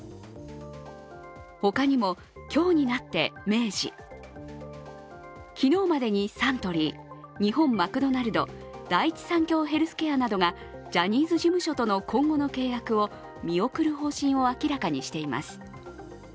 他にも、今日になって、明治、昨日までにサントリー、日本マクドナルド、第一三共ヘルスケアなどがジャニーズ事務所との今後の契約を見送る方針を明らかにしています